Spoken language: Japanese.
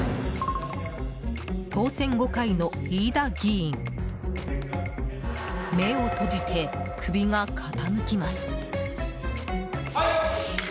当選５回の飯田議員目を閉じて首が傾きます。